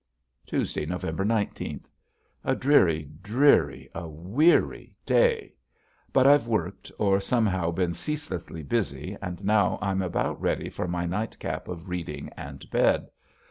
Tuesday, November nineteenth. A dreary, dreary, a weary day. But I've worked or somehow been ceaselessly busy and now I'm about ready for my nightcap of reading and bed.